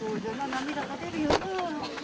涙が出るよなあ